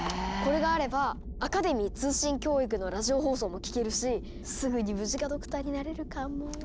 これがあれば「アカデミー通信教育」のラジオ放送も聴けるしすぐにムジカドクターになれるかも。